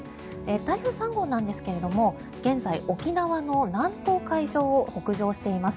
台風３号なんですけれども現在、沖縄の南東海上を北上しています。